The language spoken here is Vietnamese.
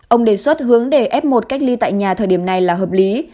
ông đề xuất hướng để f một cách ly tại nhà thời điểm này là hợp lý